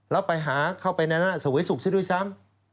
แล้วไปหาเข้าไปนั่นสวัสดิ์สุขซะด้วยซ้ำ